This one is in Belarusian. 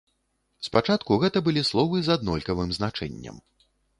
Спачатку гэта былі словы з аднолькавым значэннем.